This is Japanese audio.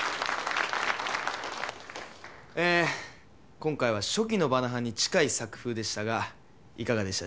今回は初期のバナハンに近い作風でしたがいかがでしたでしょうか。